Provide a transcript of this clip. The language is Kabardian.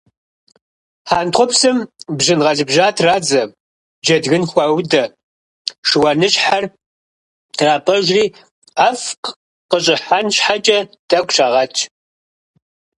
Хьэнтхъупсым бжьын гъэлыбжьа традзэ, джэдгын хаудэ, шыуаныщхьэр трапӀэжри ӀэфӀ къыщӀыхьэн щхьэкӀэ тӏэкӏу щагъэтщ.